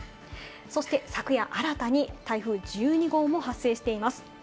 そして昨夜、新たに台風１２号も発生しています。